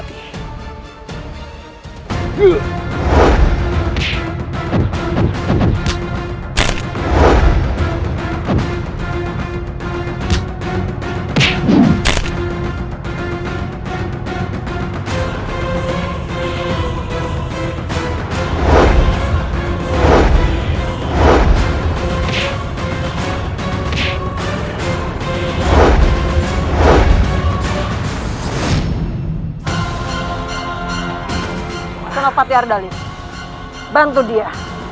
senopati ardalit bantu dia